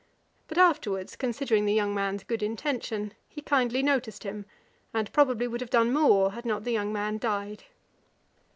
But afterwards, considering the young man's good intention, he kindly noticed him, and probably would have done more, had not the young man died.